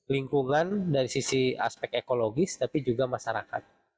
lingkungan dari sisi aspek ekologis tapi juga masyarakat